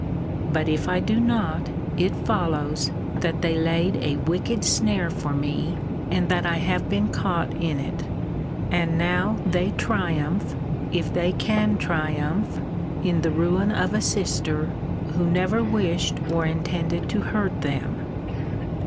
But if I do not, it follows, that they laid a wicked snare for me; and that I have been caught in it. And now they triumph, if they can triumph, in the ruin of a sister, who never wished or intended to hurt them!